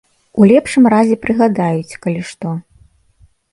У лепшым разе прыгадаюць, калі што.